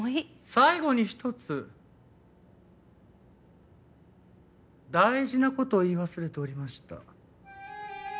最後に一つ大事な事を言い忘れておりました。